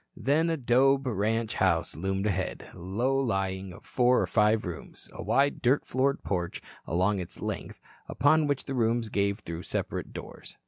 Then a 'dobe ranch house loomed ahead, low lying, of four or five rooms, a wide, dirt floored porch along its length, upon which the rooms gave through separate doors.